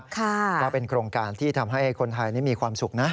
ก็เป็นโครงการที่ทำให้คนไทยนี่มีความสุขนะ